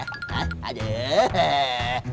hah aduh hehehe